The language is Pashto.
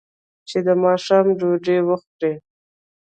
چې د ماښام ډوډۍ وخوري.